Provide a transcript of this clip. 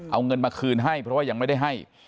เอาเงินมาคืนให้เพราะว่ายังไม่ได้ให้